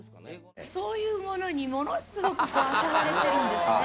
そういうものにものすごく憧れてるんですね。